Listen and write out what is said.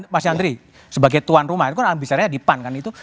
mas yandri sebagai tuan rumah itu kan alami bisnarnya dipan kan itu